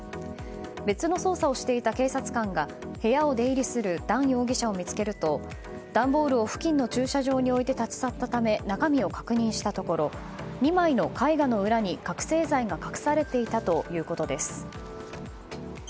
別の捜査をしていた警察官が部屋を出入りするダン容疑者を見つけると段ボールを付近の駐車場に置いて立ち去ったため中身を確認したところ２枚の絵画の裏に、覚醒剤が隠されていたということです。